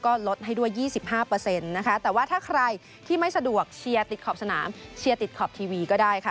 ก็ลดให้ด้วย๒๕นะคะแต่ว่าถ้าใครที่ไม่สะดวกเชียร์ติดขอบสนามเชียร์ติดขอบทีวีก็ได้ค่ะ